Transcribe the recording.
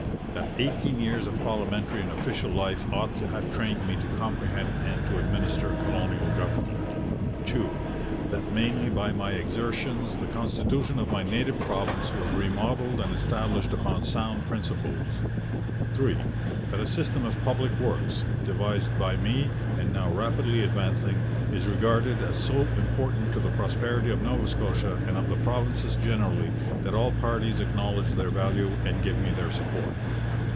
That eighteen years of parliamentary and official life ought to have trained me to comprehend and to administer colonial government. '2. That mainly by my exertions, the constitution of my native province was remodelled and established upon sound principles. '3. That a system of public works, devised by me, and now rapidly advancing, is regarded as so important to the prosperity of Nova Scotia and of the provinces generally that all parties acknowledge their value and give me their support.